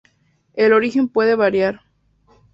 El origen puede variar.